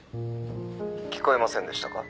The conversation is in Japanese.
聞こえませんでしたか？